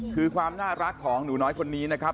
คือความน่ารักของหนูน้อยคนนี้นะครับ